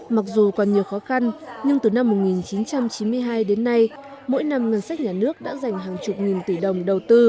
mặc dù còn nhiều khó khăn nhưng từ năm một nghìn chín trăm chín mươi hai đến nay mỗi năm ngân sách nhà nước đã dành hàng chục nghìn tỷ đồng đầu tư